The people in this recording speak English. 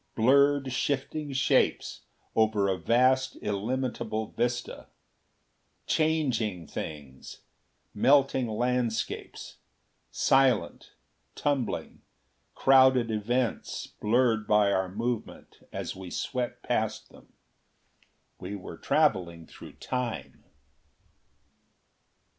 Blurred shifting shapes over a vast illimitable vista. Changing things; melting landscapes. Silent, tumbling, crowding events blurred by our movement as we swept past them. We were traveling through Time!